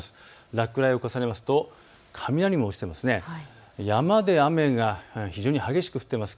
落雷を重ねますと雷雲が落ちてます。